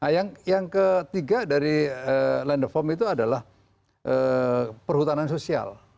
nah yang ketiga dari land of home itu adalah perhutanan sosial